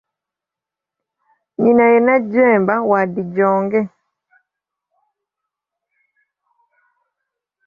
Nnyina ye Najjemba, wa Dijonge.